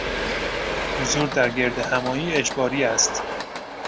حضور در گردهمایی اجباری است.